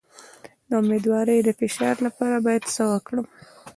د امیدوارۍ د فشار لپاره باید څه وکړم؟